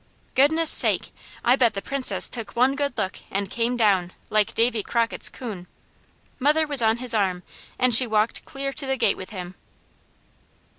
Goodness sake! I bet the Princess took one good look and "came down" like Davy Crockett's coon. Mother was on his arm and she walked clear to the gate with him.